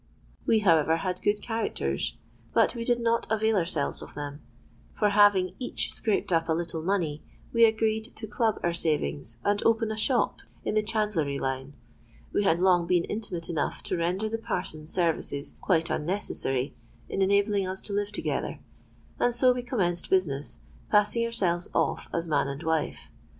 We, however, had good characters, but we did not avail ourselves of them—for, having each scraped up a little money, we agreed to club our savings, and open a shop in the chandlery line. We had long been intimate enough to render the parson's services quite unnecessary in enabling us to live together; and so we commenced business, passing ourselves off as man and wife.